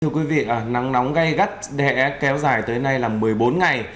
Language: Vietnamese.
thưa quý vị nắng nóng gây gắt đã kéo dài tới nay là một mươi bốn ngày